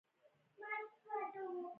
په درسي ساعت کې یې د ټولګي په وړاندې ولولئ.